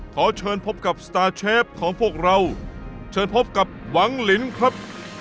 ขอเชิญพบกับสตาร์เชฟของพวกเราเชิญพบกับหวังลินครับ